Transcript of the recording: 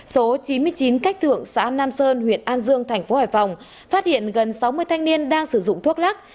số chín mươi chín cách thượng xã nam sơn huyện an dương thành phố hải phòng phát hiện gần sáu mươi thanh niên đang sử dụng thuốc lắc